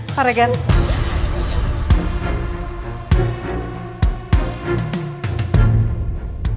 saat yang terjadi